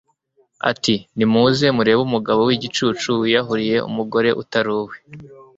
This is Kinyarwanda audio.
ati' 'nimuze murebe umugabo w'igicucu wiyahuriye umugore utari uwe